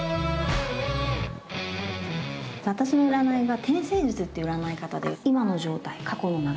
私の占いが天星術っていう占い方で今の状態過去の流れ